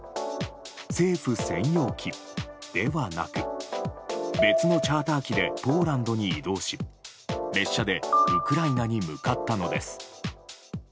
政府専用機ではなく別のチャーター機でポーランドに移動し列車でウクライナに向かったのです。